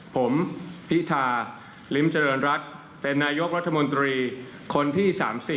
ผมพิธาลิ้มเจริญรัฐเป็นนายกรัฐมนตรีคนที่๓๐